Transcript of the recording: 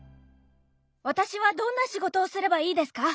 私はどんな仕事をすればいいですか？